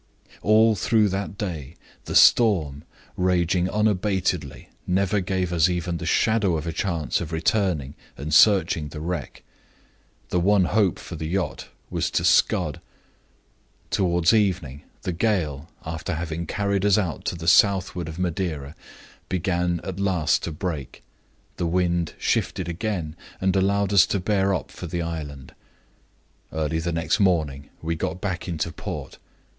"All through that day the storm, raging unabatedly, never gave us even the shadow of a chance of returning and searching the wreck. The one hope for the yacht was to scud. Toward evening the gale, after having carried us to the southward of Madeira, began at last to break the wind shifted again and allowed us to bear up for the island. Early the next morning we got back into port.